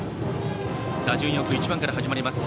打順よく１番から始まります。